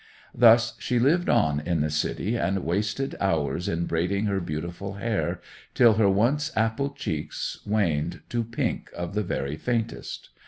Thus she lived on in the city, and wasted hours in braiding her beautiful hair, till her once apple cheeks waned to pink of the very faintest.